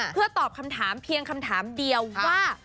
เพื่อตอบคำถามเพียงคำถามเดียวว่า